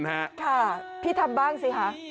ค่ะพี่ทำบ้างสิคะ